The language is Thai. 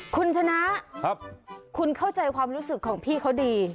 คุณชนะคุณเข้าใจความรู้สึกของพี่เขาดี